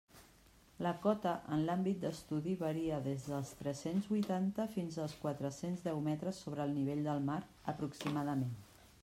La cota en l'àmbit d'estudi varia des dels tres-cents huitanta fins als quatre-cents deu metres sobre el nivell del mar aproximadament.